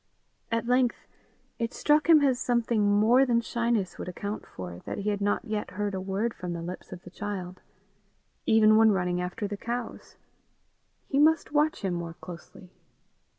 At length it struck him as something more than shyness would account for, that he had not yet heard a word from the lips of the child, even when running after the cows. He must watch him more closely.